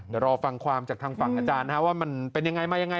เดี๋ยวรอฟังความจากทางฝั่งอาจารย์ว่ามันเป็นยังไงมายังไง